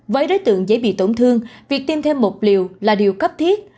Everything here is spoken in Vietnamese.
với đối tượng dễ bị tổn thương việc tiêm thêm một liều là điều cấp thiết